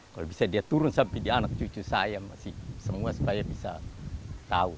kalau bisa dia turun sampai di anak cucu saya masih semua supaya bisa tahu